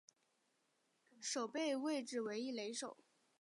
守备位置为一垒手。